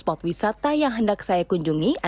mobil park barang barangdelan di belitung a